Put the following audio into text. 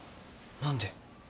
何で？